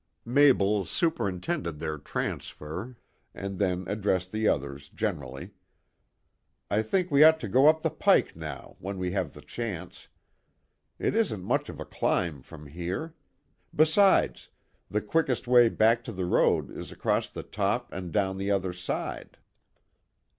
Mabel superintended their transfer, and then addressed the others generally: "I think we ought to go up the Pike now, when we have the chance. It isn't much of a climb from here. Besides, the quickest way back to the road is across the top and down the other side."